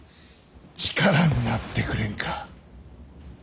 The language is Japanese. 力になってくれんか。